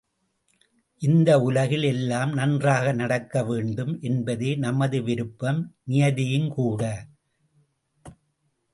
இந்த உலகில் எல்லாம் நன்றாக நடக்க வேண்டும் என்பதே நமது விருப்பம் நியதியும்கூட!